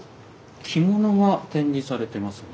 着物が展示されてますね。